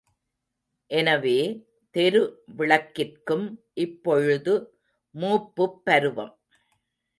எனவே, தெரு விளக்கிற்கும் இப்பொழுது மூப்புப் பருவம்.